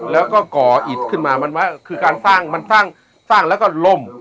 แล้วก็ก่ออิดขึ้นมามันคือการสร้างมันสร้างแล้วก็ล่ม